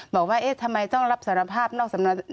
บอกว่าเอ๊ะทำไมต้องรับสารภาพนอกสำนวน